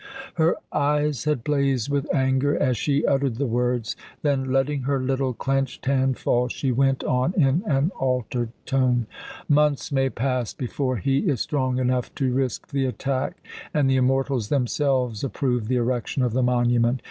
Her eyes had blazed with anger as she uttered the words; then, letting her little clenched hand fall, she went on in an altered tone: "Months may pass before he is strong enough to risk the attack, and the immortals themselves approved the erection of the monument.